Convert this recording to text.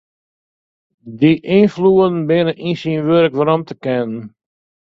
Dy ynfloeden binne yn syn wurk werom te kennen.